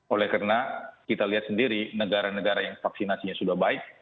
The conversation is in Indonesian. oleh karena kita lihat sendiri negara negara yang vaksinasinya sudah baik